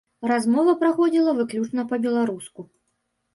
Размова праходзіла выключна па-беларуску.